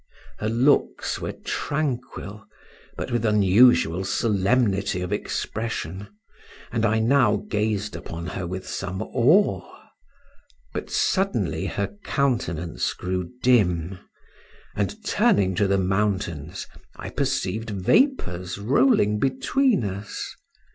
Her looks were tranquil, but with unusual solemnity of expression, and I now gazed upon her with some awe; but suddenly her countenance grew dim, and turning to the mountains I perceived vapours rolling between us.